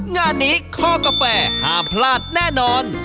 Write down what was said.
งานนี้คอกาแฟห้ามพลาดแน่นอน